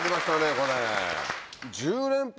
これ。